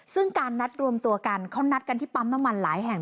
ซึ่งการนัดรวมตัวกันเขานัดกันที่ปั๊มน้ำมันหลายแห่ง